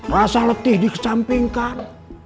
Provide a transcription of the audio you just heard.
rasa letih dikesampingkan